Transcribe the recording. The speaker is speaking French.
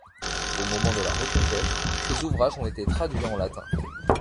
Au moment de la reconquête, ces ouvrages ont été traduits en latin.